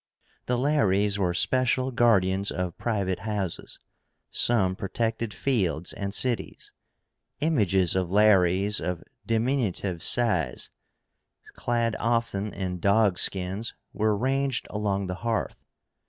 The LARES were special guardians of private houses. Some protected fields and cities. Images of Lares of diminutive size, clad often in dog skins, were ranged along the hearth.